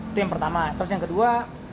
itu yang pertama terus yang kedua